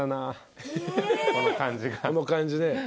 この感じね。